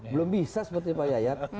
belum bisa seperti pak yayat